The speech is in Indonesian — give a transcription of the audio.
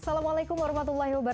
assalamualaikum wr wb